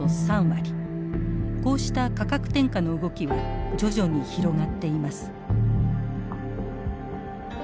こうした価格転嫁の動きは徐々に広がっています。